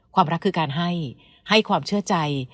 ความรักคือการให้ให้ความเชื่อใจ